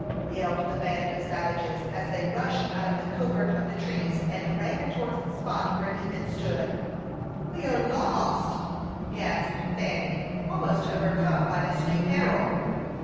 yelled the band of savages, as they rushed out of the covert of the trees, and ran towards the spot where Ethan stood. "We are lost!" gasped Fanny, almost overcome by this new peril.